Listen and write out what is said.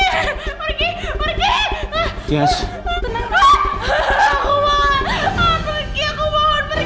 sedangkan jessy menderita seumur hidup